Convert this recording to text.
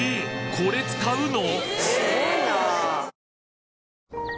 これ使うの！？